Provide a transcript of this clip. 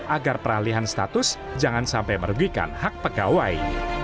agar peralihan status jangan sampai merugikan hak pegawai